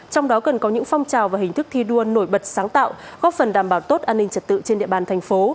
trong đó cần có những phong trào và hình thức thi đua nổi bật sáng tạo góp phần đảm bảo tốt an ninh trật tự trên địa bàn thành phố